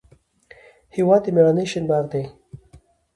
هېواد د میړانې شین باغ دی.